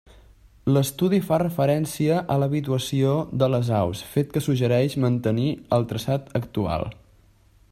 L'estudi fa referència a l'habituació de les aus, fet que suggereix mantenir el traçat actual.